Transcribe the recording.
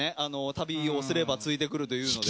旅をすればついてくるというので。